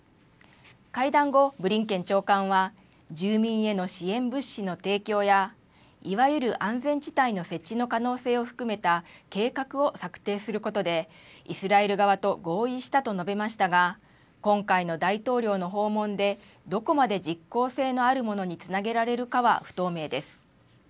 会談後、ブリンケン長官は、住民への支援物資の提供や、いわゆる安全地帯の設置の可能性を含めた計画を策定することで、イスラエル側と合意したと述べましたが、今回の大統領の訪問で、どこまで実効性のあるものにつなげられるかは不透明です。